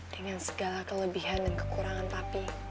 dengan segala kelebihan dan kekurangan tapi